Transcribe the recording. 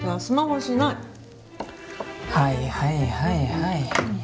はいはいはいはいはい。